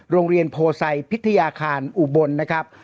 โรงเรียนโพไซพิทยาคารอุบลนะครับ